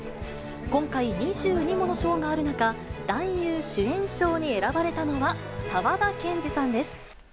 今回２２もの賞がある中、男優主演賞に選ばれたのは、沢田研二さんです。